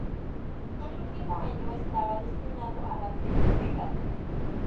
El último año estaba destinado a la tesis de grado.